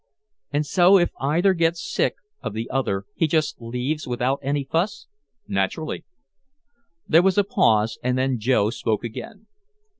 "And so if either gets sick of the other he just leaves without any fuss." "Naturally." There was a pause. And then Joe spoke again.